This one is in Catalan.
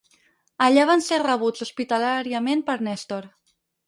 Allà van ser rebuts hospitalàriament per Nèstor.